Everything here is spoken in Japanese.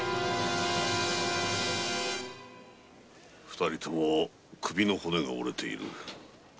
二人とも首の骨が折れている。